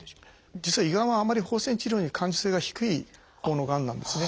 実は胃がんはあんまり放射線治療には感受性が低いほうのがんなんですね。